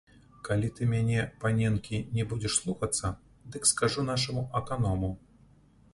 Калі ты мяне, паненкі, не будзеш слухацца, дык скажу нашаму аканому.